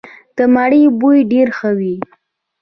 د مڼې بوی ډیر ښه وي.